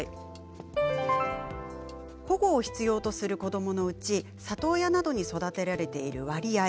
保護を必要とする子どものうち里親などに育てられている割合